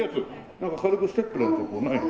なんか軽くステップなんてこうないの？